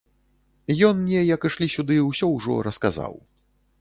Ён мне, як ішлі сюды, усё ўжо расказаў.